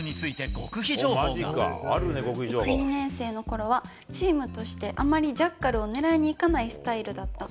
極秘１、２年生のころはチームとしてあまりジャッカルを狙いにいかないスタイルだった。